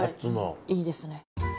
いいですね。